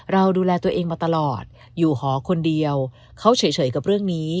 เราดูแลตัวเองมาตลอดอยู่หอคนเดียวเขาเฉยกับเรื่องนี้